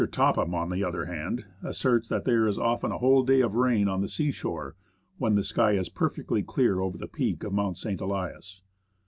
Topham, on the other hand, asserts that there is often a whole day of rain on the sea shore when the sky is perfectly clear over the peak of Mount St. Elias.